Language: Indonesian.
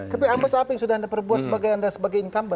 tapi ambas apa yang sudah anda perbuat sebagai anda sebagai incumben